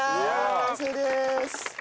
完成です。